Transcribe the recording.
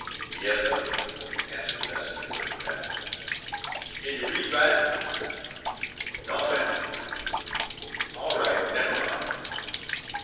"Yas 'm," answered the messenger, looking back. "Can you read writin'?" "No 'm." "All right. Never mind."